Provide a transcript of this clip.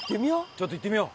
ちょっと行ってみよう！